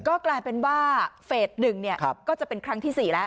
ก็กลายเป็นว่าเฟส๑ก็จะเป็นครั้งที่๔แล้ว